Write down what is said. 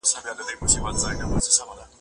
د کار مؤلديت له پخوا څخه د سرمايې په پرتله ټيټ و.